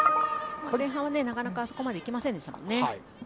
前半は、なかなかあそこまでいけませんでしたからね。